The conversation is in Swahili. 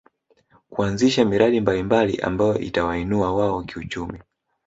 Kuanzisha miradi mbalimbali ambayo itawainua wao kiuchumi